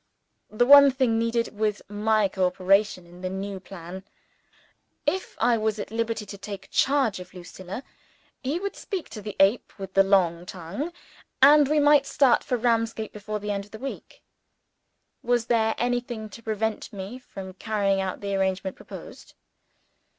The one thing needed was my co operation in the new plan. If I was at liberty to take charge of Lucilla, he would speak to the Ape with the long tongue; and we might start for Ramsgate before the end of the week. Was there anything to prevent me from carrying out the arrangement proposed?